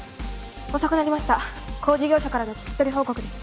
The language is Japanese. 遅くなりました工事業者からの聞き取り報告です。